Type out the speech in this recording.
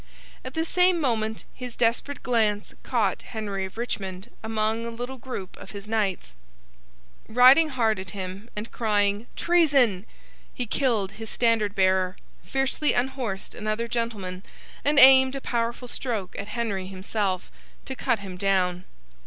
At the same moment, his desperate glance caught Henry of Richmond among a little group of his knights. Riding hard at him, and crying 'Treason!' he killed his standard bearer, fiercely unhorsed another gentleman, and aimed a powerful stroke at Henry himself, to cut him down.